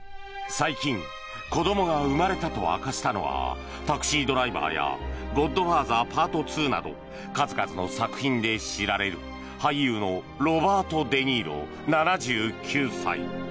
最近、子どもが生まれたと明かしたのは「タクシードライバー」や「ゴッドファーザーＰＡＲＴ２」など数々の作品で知られる俳優のロバート・デ・ニーロ７９歳。